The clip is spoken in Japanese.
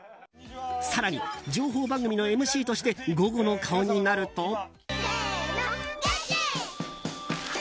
更に、情報番組のＭＣとして午後の顔になると。